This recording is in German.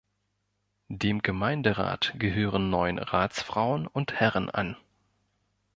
Dem Gemeinderat gehören neun Ratsfrauen und -herren an.